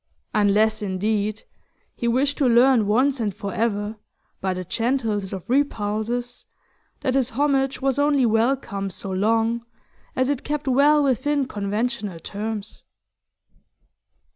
Unless, indeed, he wished to learn once and for ever, by the gentlest of repulses, that his homage was only welcome so long as it kept well within conventional terms.